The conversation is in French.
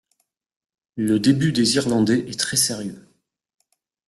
Le début des Irlandais est très sérieux.